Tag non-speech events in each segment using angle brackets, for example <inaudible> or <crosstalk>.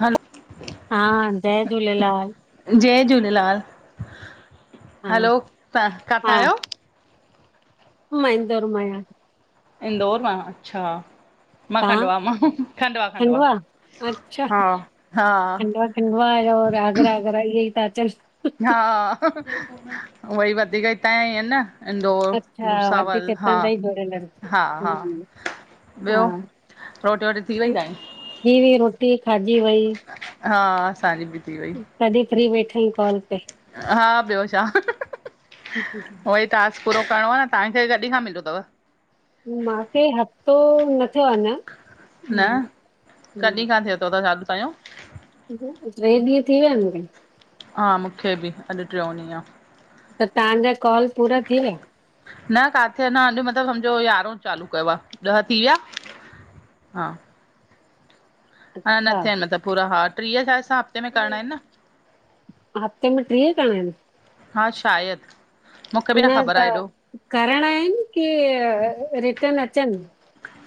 हल् हां जय झूलेलाल। जय झूलेलाल हा हलो तां काथां हा आयो? मां इंदौर मां आयां। इंदौर मां अच्छा। मां तव्हां खंडवा मां खंडवा-खंडवा खंडवा हा-हा। इंदौर और आगरा-आगरा इये ता अचन। हा उयई वधीक इतां ॼा ई अन न। इंदौर, अच्छा भुसावल वधीक हितां जा ई जुड़ियल आहिनि हा-हा-हा। हम्म, हा ॿियो रोटी वोटी थी वई तां ॼी? थी वेई रोटी खाॼी वई। हा आसांजी ॿि। तॾि फ्री वेठा आयूं कॉल तेे। हा ॿियो छा। ह ह <inaudible> उओ ई टास्क पूरो करणो आ न तांखे कॾि खां मिलियो तव? मांखे हफ़्तो न थियो आ अञां। न कॾि खां थियो थव अॻु तांॼो। ट्रे ॾींय थी वया आयन मुखे। हा मूंखे ॿि अॼु ट्रो ॾीय आ। त तांजा कॉल पूरा थी वया? न काथे अञा अॼ मतलब समझो यारों चालू कयो आ ॾह थी वया हा। अना न हा थ्यान मतलब पूरा हा ट्रीह टास्क हफ़्ते में करणा आयन न? हफ़्ते में ट्रीय करणा आयन। हा शायद। न त करणा आयन की रिटन अचन?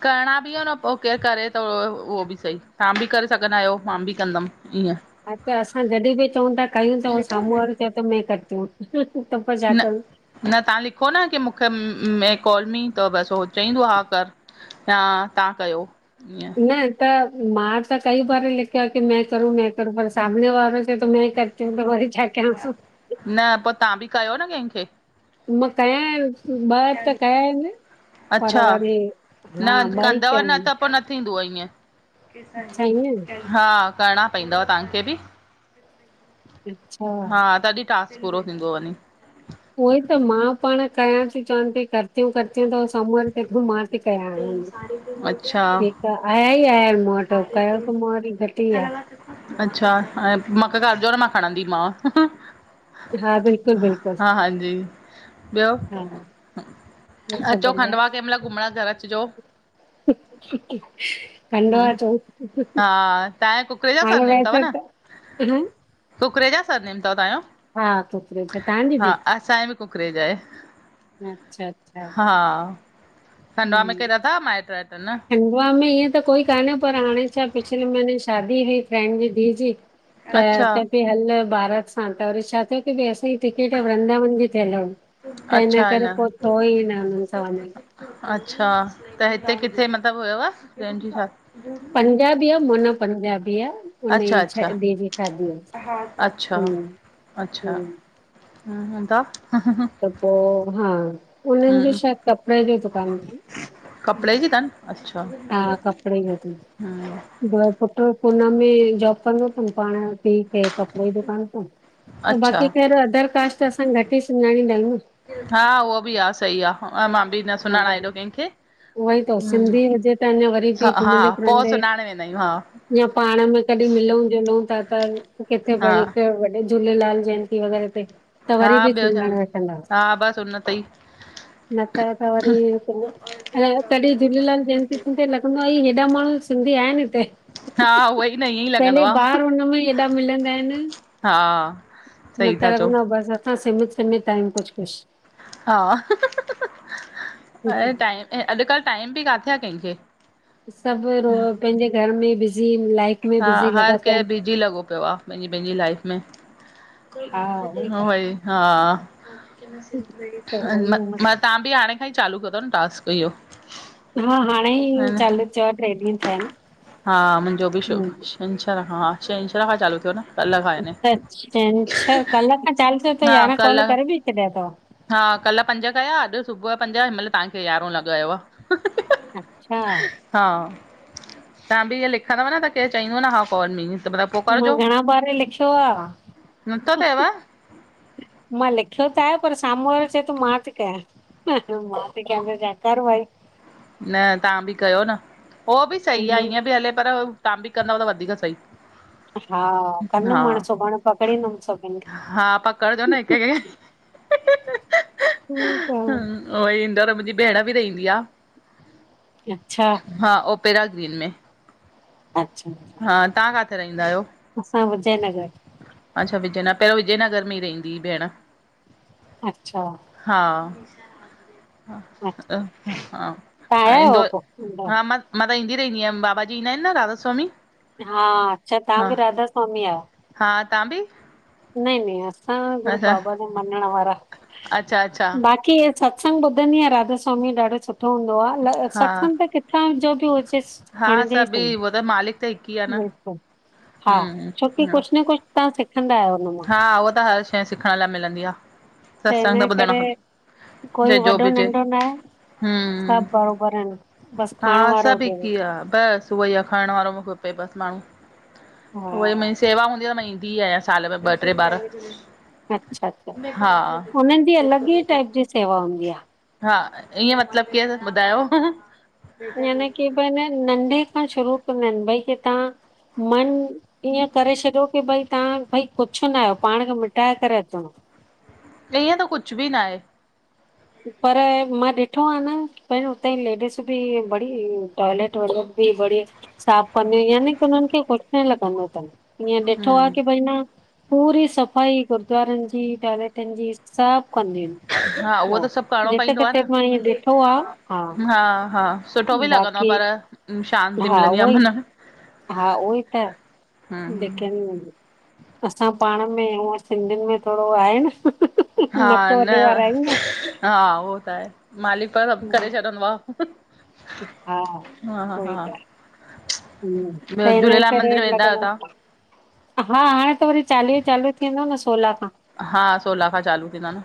करणा ॿि आन पो करे-करे तो उहो ॿि सही तां ॿि करे सघंदा आयो मां भी कंदम ईअं। हा त असां जॾि बि चऊं ता कयूं त सामू वारो चयो त मैं करती हु त असा छा न कयु? न तां लिखो न की मूंखे मैं कॉल मी त बस उ चईंदो हा कर। हा तां कयो। ईअं न त मां त कई बार लिखयो क मै करूं मै करूं पर सामने वारो त म करति हूं त वरी छा कयास? न पो तां ॿि कयो न कैंखे। मां कया आयन ॿ त कया आयन। अच्छा न ॿ ई कंदव कया न आहिनि त पो न न थीदुअ अच्छा ईअं ईअ हा करणा पईदव तांखे ॿि। अच्छा हा तॾि टास्क पूरो थींदो वञी। उहोइ त मां पांण कयां ती, चवान ती करती हुं करती हुं त हो सामूूं वारो चए तो मा हे कया हुवई अच्छा हे त आया ई आय इनि मूं वटि कयो त मूं वरी घटि ई आ। अच्छा हाणे मांखे कर जो न मां खणंदीमांव। हा बिल्कुल -बिल्कुल हां जी। ॿियो, ॿियो सभु अचो खंडवा कंहिंमल घुमंण घर अचिजो। हसने की आवाज़। हम्म खंडवा अचंऊ, हा तव्हांजे कुकरे जा हाणे सरनेम अथव वैसे न त हं कुकरेजा सरनेम तव ताहिंयो? हा कुकरेजा, तहांजी बि? असांयी बि कुकरेजा ए। अच्छा अच्छा, हा, खंडवा में हम्म, केर अथव माइट्र वाइट्र न? खंडवा में ईअं त कोई कान्हे पर हाणे छा पिछले महीने शादी हुई फ्रैड जी धीउ जी त अच्छा चए पई हलु बारात सा त वरी छा थियो की भई असीं टिकेट वृंदावन जी थियल हुई, त हिन करे पो थ्योई न हुनन सां वंञंण। अच्छा त हिते किथे मतलब हुयव फ्रेंड जी शादी? पंजाबी आ मोना पंजाबी आ। अच्छा- हुनजी छ अच्छा, धीअ जी शादी आ अच्छा हम्म -अच्छा,। हम्म हुं, हुंदा। त पो हा, उनन जो शायद कपड़े जो दुकान तन। कपड़े जी तनि अच्छा हम्म ब पुट्रु पूना में जॉब कंदो तनि, पांण। ठीक है कपड़े जी दुकान तनि, अच्छा बाक़ी ख़ैर अदर कास्ट असां घट ई सुञाणींदा आहियूं न। हा उहो भी आ सही आ अ मां भी न सुञांणां एॾो केंखे। उहो ई त सिंधी हुजे त अंञां वरी भी हा हा घुमंदे पोइ फिरंदे सुञाणे वेंदा आहियूं हा या पांण में कॾहिं मिलंउ जुलंउ ता त किथे हा भई हिक वॾे झूलेलाल जयंत वग़ैरह ते त हा वरी बि ॿियो छा सुञांणे वठंदास हा बसि उन ते ई त त वरी पो ह तॾी झूलेलाल जयंति थींदतई लॻंदो आ अई हेॾा माण्हूं सिंधी आहिनि हिते। हा उहो ई न ईअं ई लॻंदो पहले आहे बार, हुनमें एॾा मिलंदा इनि। हा। न सही त था चओ लॻंदो आ बसि, असां सीमित- सीमित आहियूं कुछु- कुछु। हा, हंहंहंह कुझु ऐं टाइम अॼुकल्ह टाइम बि काथे आ कंहिंखे। सभु रो पंहिंजे घर में बिज़ी इनि लाइफ में हा, बिज़ी लॻा हर पिया केर आहिनि बिजी लॻो पियो आ पंहिंजी- पंहिंजी लाइफ़ में। हा उहो ई त आहे व्हई हा। त उहो म ई म मस्त। तहां बि हाणे खां ई चालू कियो तव न टास्क इह्यो? हा, हाणे ई चालू थियो आ, ट्रे ॾींहं थिया हिनि। छंछर खां, हा छंछर खां चालू थियो न। कल्ह खां याने त छंछर कल खां चालू थियो त हा यांरहां कॉल कल्ह करे बि छॾिया तव? हा कल पंज कया। अॼु सुबह जो पंज। हिनमल तहांखे यारहों लॻायो आ। अच्छा! हा, तहां बि इएं लिखंदव न त केर चईंदो न हा काल मी त मतिलब मां घणा बार ही लिखियो आ नथो हूं हूं थिएव मां लिखियो त आहे पर साम्हूं वारो चए थो मां तोकयां मां ती कयां त जयकारो आहे। न तव्हां बि कयो न, उहो बि सही आहे, ईएं बि हले, पर तव्हां बि कंदव त वधिक सही। हा हा। कंदमि हाणे सुभाणे पकड़ींदमि सभिनि खे हा पकडजो न हिक खे। अअअअअ ठीक आ इन्दौर मुंहिंजी भेण बि रहंदी आ अच्छा अच्छा हा, ओ पहिरां ॾिहन में। अच्छा। हा तहां काथे रहंदा आहियो? असां विजयनगर। अच्छा विजयनगर। पहिरियों विजयनगर में ई रहंदी हुई भेण। अच्छा। हा। अच्छा ह, हा, तव्हां हा, आया आहियो इंदो। पोइ इंदौर? हा, मां। मां त ईंदी रहंदी आहियां। बाबा जी, ईंदा आहिनि न, राधा सवामी। हा। अच्छा तव्हां बि राधा स्वामी आहियो? हा, तां बी। नही न असां गुरू बाबा जे मञण वारा अच्छा अच्छा बाक़ी इए सभु। सत्संग ॿुधंदी आहियां। राधा स्वामी जो ॾाढो सुठो हूंदोआहे। हा सत्संग त किथां जो बि हुजेस। हा खणजे ई सभी सई। उहो त मालिक त हिकु ई आहे न बिल्कुल, हा हम्म छोकि कुझ न कुझ। तव्हां सिखंदा आहियो? हुन मां हा। उहा त हर शइ सिखण लाए मिलंदी आहे। त हिन करे कोई जंहिंजो वॾो बि हुजे नंढो न आहे, हम्म सब बराबर आहिनि। बसि खाइण हा, वारो सब हुजेव हिक ई आ बस। सुबह जो खाइण वारो मूंखे खपे बस माण्हू हा उहेई मस। सेवा हूंदी आ त मां ईंदी आहियां, साल में ॿह टे ॿार। अच्छा, अच्छा। हुननि जी अलॻ ई टाइप जी सेवा हूंदी आहे। हा। इएं मतलबु केर ॿुधायो? यानि कि भई नंढे खां शुरू कंदा आहिनि। भई कि, तव्हां, मन। ईए करे छॾियो कि भई तव्हां भई कुझ न आहियो। पाण खे मिटाए करे अचिणो। इएं त कुझ बि न आहे। पर मां ॾिठो आहे न पर हुते लेडीस बि वरी टॉयलेट वॉइलेट बि ब़ढिया। साफ़ कंदियूं की। हुननि खे कुझु न लॻंदो अथन ईअं ॾिठो आहे हम्म की भई न। पूरी सफ़ाई गुरुद्वारनि जी, टॉयलेटनि जी सब कंदियूं आहिनि। हा उहो त सभु करिणो जिते पईदो आह किथे न। मां ईअं ॾिठो आ हा हा-हा! सुठो बि लॻंदो आह बाक़ी पर, शांती हा मिलंदी उहो आह ई मन में। हा उहो ई त। े हम्म <unintelligible> अंसां पाण में हूअं सिंधियुनि में थोडो आहे न। हा नक वॾे न वारा अयूं न। हा उहो त आहे, मालिक सभु करे न छॾंदो आह। हा! उएई त। त ॿियो हिनिय झूलेलाल करे मंदिर वेंदा आहियो लगंद आयो तव्हां हा हाणे त वरी चालीह चालू थींदो न सोलाह खां। हा, सोला खां चालू थींदा न।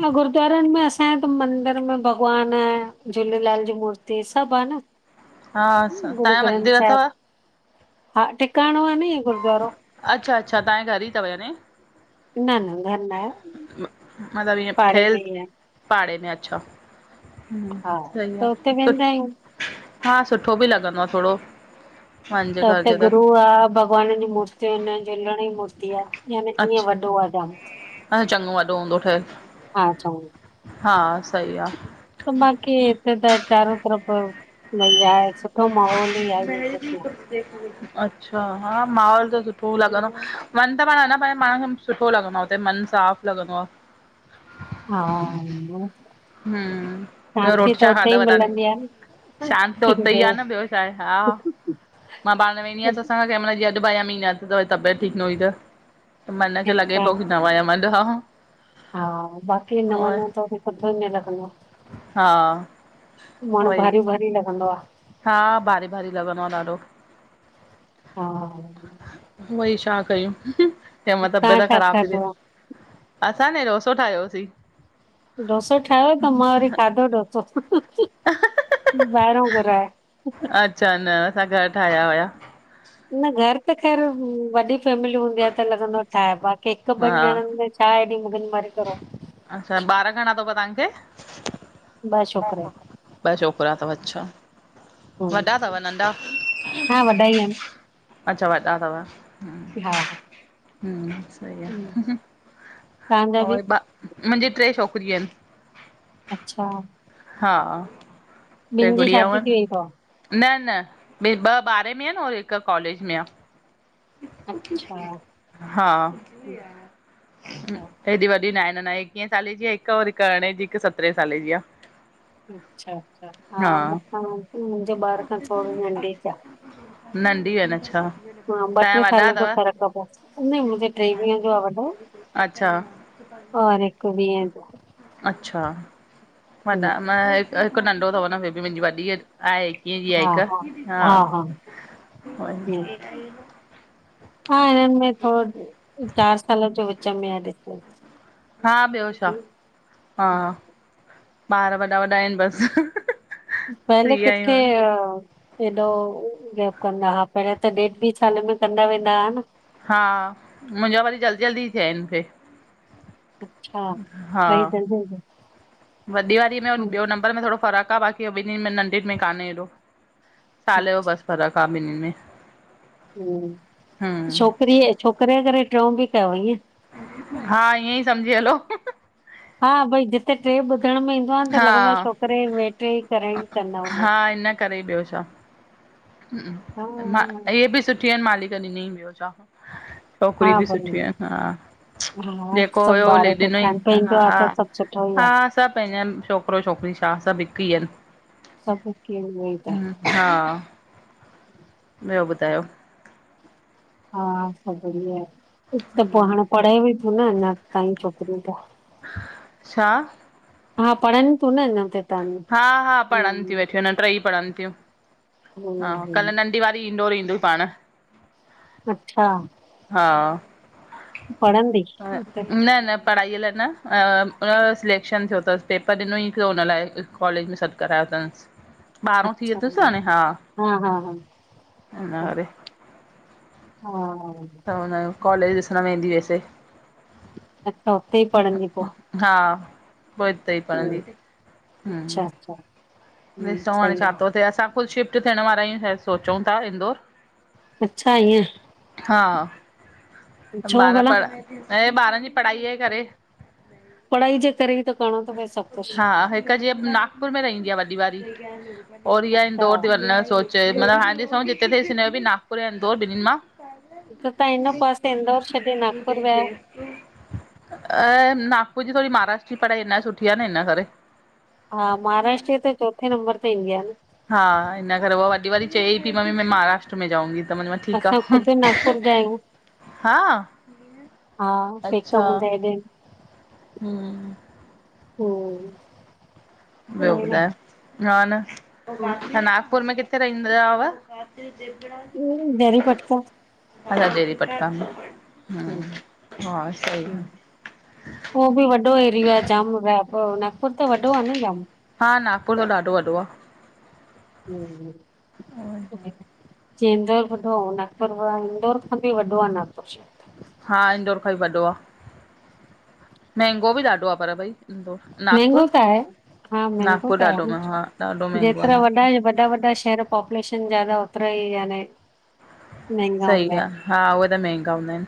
हा गुरुद्वारनि में असांजे त मंदिर में भॻवान आएं, ऐं झूलेलाल जी मूर्ती सभु आहे न। हा स, गुरू तव्हांजा मंदिर ग्रंथ साहिब अथव? हा टिकाणो आहे न, इय गुरुद्वारो। अच्छा-अच्छा, तव्हांजे घर ई तव यानी? न-न घर न आऐ। मतिलबु ईअं ठहियल, पाड़े में आए छा? हुं, हा सही त हुते आह! सु, वेंदा आहियूं हा सुठो बि लॻंदो आह थोड़ो। त हुते गुरु आह, भॻवान जी मूर्ती हन झूलण जी मूर्ती आह। यानी इय अच्छा वॾो आह जाम। चङो वॾो हूंदो ठहियल? हा चऊं। हा सही आहे त मां की हिते त चारो तरफ़ भई आहे सुठ <unintelligible> <inaudible> अच्छा हा माहौल त सुठो लॻंदो, मन त पाण हे ना प पाण खे सुठो लॻंदो आहे। हुते मन साफ़ लॻंदो आह। हा, हम्म, ॿियो शांती रोटी त छा उते ई खाधव तव्हांने? मिलंदी आह शांत त उते ई आ न। ॿियो छाहे, हा। <inaudible> मां पाण वेंदी आयां ससु सां, जहिं मैल जीयं अॼु भया मींहं न प्यो, तबियत ठीकु न हुई त। मन खे लॻे अच्छा पो कि दवा या म अॼु ह <unintelligible> हा बाक़ी न वन त बि किथे ई न लॻंदो आ। हा <unintelligible> मण उहोई। भारी-भारी लॻंदो आह। हा भारी-भारी लॻंदो आह ॾाढो। हा! वई शा कयूं? त म तव्हां तबियत छा ख़राब ती थे। खाधो आ? असां न रोसो ठाहियोसीं। ढोसो ठाहियो, त मां वरी खाधो डोसो। ॿाहिरां घुराए। च न असां घर ठाहिया हुया। न घर त ख़ैर वॾी फैमिली हूंदी आहे, त लॻंदो आहे ठाए, बाक़ी हिकु ॿनि हा। ॼणनि में छा ऐॾी मुगनि मारी करो। अच्छा, ॿार घणा तव तव्हांखे? ॿ छोकिरा ॿ छोकिरा तव अच्छा, आहिन वॾा तव नंढा? हा वॾा ई आहिनि अच्छा वॾा तव? हा! हुं, सई हम्म, आह। तव्हांजा बि मुंहिंजी ट्रे छोकिरियू अहिनि। अच्छा! हा ॿिन जी शादी थी वई तव? न-न,, ॿे ॿ ॿारहें में आहिनि और हिकु कॉलेज में आ। अच्छा! हा हेॾी वॾी न आहे न एकीहें साले जी आहे हिक, और हिक अरड़ें जी, हिकु सतरहें साले जी आह। अच्छा- अच्छा, हा मुखां मुंहिंजे ॿार खां थोरो नंढे थ आह <unintelligible> नंढी अ न छा? हा ॿ टे साल जो फ़र्कु आ पो, न मुंहिजो टेवीह जो आहे वॾो। अच्छा और हिकु वीहें जो। अच्छा, हम्म, वॾा हिकु नंढो अथव न फिर बि मुंहिंजी वॾी आहे। कीअ जी आहे हिकु। हा, ईअं हा, हिननि में थोड़ो चारि सालु जो विच में आ डिफरेंस। हा, ॿियो छा। हा, ॿारि वॾा-वॾा आहिनि बसि। पहले फ्री आहियूं किथे हाणे अ हेॾो गेप कंदा। हा, पहिरे त डेढ-ॿि साल में कंदा वेंदा हा न। हा, मुंहिंजा वरी जल्दी-जल्दी थिया आहिनि मूंखे। अच्छा, हा टे ई जल्दी-जल्दी। वॾी वारी में ॿियो नंबर में थोड़ो फ़र्कु आ बाक़ी ॿिननि में नंढनि में कान्हे हेॾो। साल जो बसि फ़र्क आहे ॿिन्नि में। हम्म छोकिरीअ, छोकिरे करे टियों बि कयो ईअं? हा, ईअं ई सम्झी हलो। हा, भई जिते टे ॿुधण में ईंदो आहे त हा लॻंदो आहे छोकिरे वे टे ई करे ई कंदो हूंदो। हा इन करे ॿियो छा। मां हा इहे बि सुठि आहिनि मालिक ॾिनी ॿियो छा। छोकरी हा बि भई सुठियूं आहिनि। हा जेको हुयो सभु ॿार ले ॾिनो सेठा ई। आहिनि पंहिंजो आ त सुठो ई आ। सभु पंहिंजा छोकिरो, छोकिरी छा सभु हिकु ई आहिनि। सुभ हिकु ही आहिनि। ॿियो छा। हा। ॿियो ॿुधायो? हा, <inaudible> आहे त पोइ हाणे पढ़े बि थो न अञा ताईं छोकिरियूं पोइ। छा? हा, पढ़नि थियूं न अञा त। ताणी हा-हा, पढ़नि थियूं हम्म वेठियूं टई पढ़नि थियूं। हा, हम्म कल्ह हम्म। नंढि नंढी वारी इंदौर ईंदो ई पाण। अच्छा। हा, पढ़ंदी त न-न पढ़ाईअ लाइ न हुनजो सिलेक्शन थियो अथसि पेपर ॾिनो ई हिकु हुन लाइ कॉलेज में सॾु करायो अथसि। ॿारहो थी अच्छा वयोसि अथसि हा हा हा अच्छा हाणे। हा। हुननि जो कॉलेज़ ॾिसण वेंदी वैसे। अच्छा, हुते ई पढंदी पोइ? हा, पोइ हुते ई पढंदी। हम्म। अच्छा अच्छा हम्म ॾिसूं हाणे सही छा आ, थो थिए असां ख़ुदि शिफ्ट थियण वारा आहियूं सोचूं था इंदौर। अच्छा ईअं हा, छो बारह भला? पड़ा ऐं ॿारनि जी पढ़ाई जे करे। पढ़ाई जे करे ई त करणो थो पए सभु कुछु। हिकु जीअं नागपुर में रहंदी आहे वॾी वारी और इहा अच्छा, इंदौर थी वञणु जो सोच चयो मां, हाणे ॾिसूं जिथे थी हिन जो बि नागपुर यां इन्दौर ॿिननि मां। हिकु त हिननि पासे इंदौर छॾे नागपुर विया? ऐं नागपुर जी थोडी महाराष्ट्र जी पढ़ाई अञा सुठी आहे न हिन करे। हा, महाराष्ट्र जी त चोथे नंबर ते ईंदी आ न। हा, हिन करे हो वॾी वारी चए थी मम्मी में महाराष्ट में जाऊँगी। त मां ठीक आ असां ख़ुदि नागपुर जा आहियूं। हा हा पेक त मुंहिंजा हेॾे हुं हुं ॿियो ॿुधायो ह न तां नागपुर में किथे रहिंदा हुआव? दहरी पटका ह ददी पटका में हम्म हा सही आ हो बि वॾो एरियो आ जाम <unintelligible> पो नागपुर त वॾो आ न जाम। हा नागपुर त ॾाडो वॾो आ। हुं आ जिअ इंदौर वॾो आ, नागपुर इंदौर खां बि वॾो आ नागपुर शहर। हा इंदौर भाई वॾो आ, महंगो बि ॾाडो आ पर भई। इंदौर, महंगो नागपुर त आहे, हा महंगो नागपुर त आहे ॾाढो हू, म हा ॾाढो महांगो आ जेतिरा वॾा नागपुर, ऐं वॾा वॾा शहर पोपुलेशन ज्यादा होतरो ई याने। महंगा सही हूंदा आहिनि। ॻाल, हा उहे त महंगा हूंदा आहिन